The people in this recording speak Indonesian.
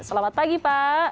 selamat pagi pak